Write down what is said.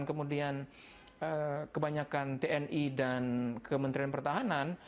kemudian kebanyakan tni dan kementerian pertahanan